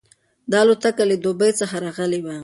دا الوتکه له دوبۍ څخه راغلې وه.